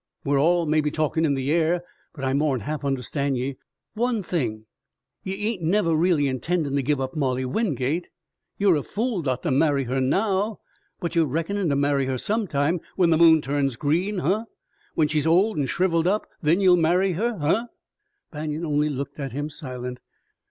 We're all maybe talkin' in the air, but I more'n half understand ye. One thing, ye ain't never really intendin' to give up Molly Wingate! Ye're a fool not to marry her now, but ye're reckonin' to marry her sometime when the moon turns green, huh? When she's old an' shriveled up, then ye'll marry her, huh?" Banion only looked at him, silent.